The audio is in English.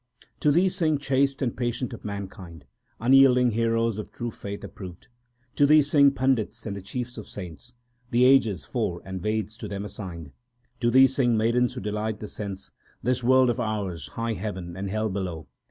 To Thee sing chaste and patient of mankind, Unyielding heroes of true faith approved. To Thee sing pandits and the chiefs of saints ; The ages four and Veds to them assigned. To Thee sing maidens who delight the sense, This world of ours, high heaven, and hell below.